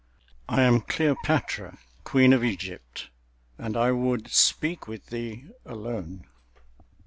"I am Cleopatra, Queen of Egypt, and I would speak with thee, alone."